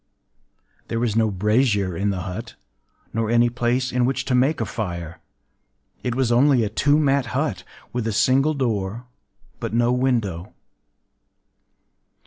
There was no brazier in the hut, nor any place in which to make a fire: it was only a two mat hut, with a single door, but no window.